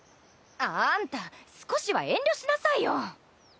あんた少しは遠慮しなさいよ。